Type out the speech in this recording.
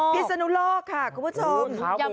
พิศนุโลกค่ะคุณผู้ชม